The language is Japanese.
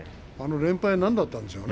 連敗は何だったんでしょうね。